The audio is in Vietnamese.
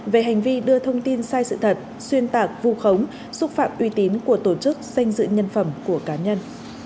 về hành vi đưa thông tin sai sự thật xuyên tạc vu khống xúc phạm uy tín của tổ chức danh dự nhân phẩm của cá nhân